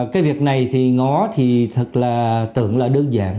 cái việc này thì ngó thì thật là tưởng là đơn giản